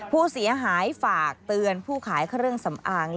ผู้เสียหายฝากเตือนผู้ขายเครื่องสำอาง